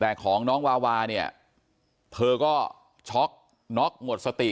แต่ของน้องวาวาเนี่ยเธอก็ช็อกน็อกหมดสติ